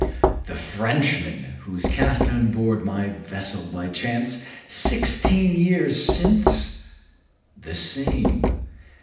"The Frenchman who was cast on board my vessel by chance sixteen years since?" "The same."